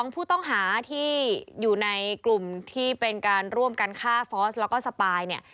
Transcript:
ผู้ต้องหาที่อยู่ในกลุ่มที่เป็นการร่วมกันฆ่าฟอสแล้วก็สปายเนี่ย